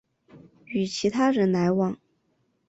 与其他人来往